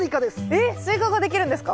えっスイカができるんですか？